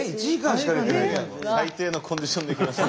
スタジオ最低のコンディションで行きました。